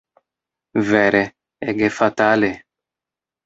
Vere, ege fatale!